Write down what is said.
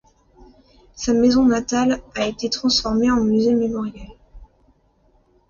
Sa maison natale a été transformée en musée mémoriel.